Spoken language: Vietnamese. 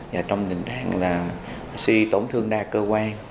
và trong tình trạng là si tổn thương đa cơ quan